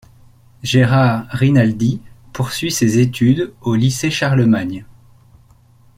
Gérard Rinaldi poursuit ses études au lycée Charlemagne.